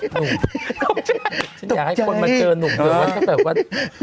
ตกใจตกใจฉันอยากให้คนมาเจอนุ่มกัน